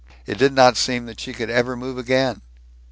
It did not seem that she could ever move again.